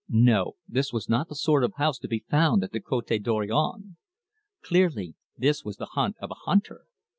No, this was not the sort of house to be found at the Cote Dorion. Clearly this was the hut of a hunter.